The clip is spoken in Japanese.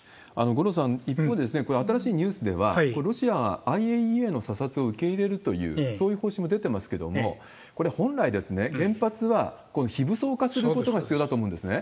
五郎さん、一方で、新しいニュースでは、ロシアはＩＡＥＡの査察を受け入れるという、そういう方針も出ていますけれども、これ、本来、原発は非武装化することが必要だと思うんですね。